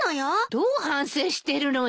どう反省してるのよ。